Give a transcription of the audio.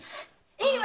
いいわ！